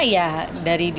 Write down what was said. nah ya dari deluxe cattelak